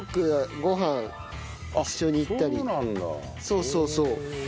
そうそうそう。